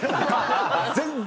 全然。